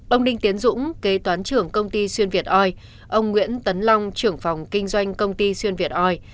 ông đinh tiến dũng kế toán trưởng công ty xuyên việt oi ông nguyễn tấn long trưởng phòng kinh doanh công ty xuyên việt oi